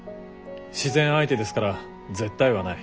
自然相手ですから絶対はない。